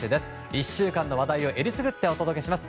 １週間の話題を選りすぐってお届けします！